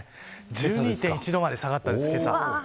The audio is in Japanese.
１２．１度まで下がったんです、けさ。